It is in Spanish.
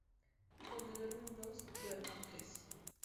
Donde duermen dos... duermen tres